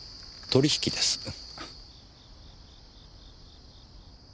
取引です。